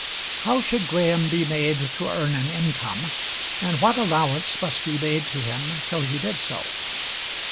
How should Graham be made to earn an income, and what allowance must be made to him till he did so?